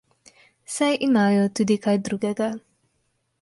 Saj imajo tudi kaj drugega.